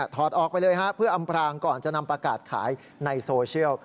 ออกไปเลยฮะเพื่ออำพรางก่อนจะนำประกาศขายในโซเชียล